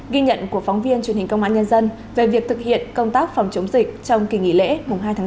ghi nhận của phóng viên truyền hình công an nhân dân về việc thực hiện công tác phòng chống dịch trong kỳ nghỉ lễ mùng hai tháng chín tại hà nội